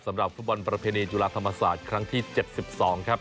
สำหรับฟุตบอลประเพณีจุฬาธรรมศาสตร์ครั้งที่๗๒ครับ